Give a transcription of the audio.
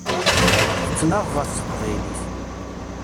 Tettnaɣ ɣef teqbaylit.